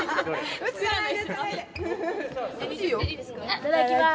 いただきます！